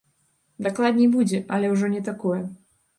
Дакладней будзе, але ўжо не такое.